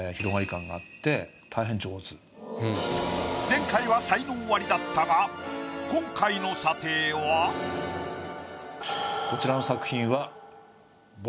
前回は才能アリだったが今回のこちらの作品は。